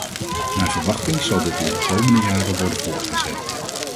Naar verwachting zal dit in de komende jaren worden voortgezet.